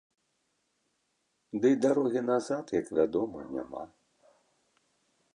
Дый дарогі назад, як вядома, няма.